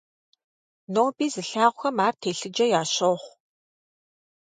Ноби зылъагъухэм ар телъыджэ ящохъу.